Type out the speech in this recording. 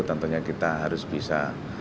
tentunya kita harus bisa